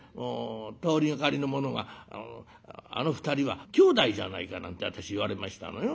通りがかりの者があの２人はきょうだいじゃないかなんて私言われましたのよ。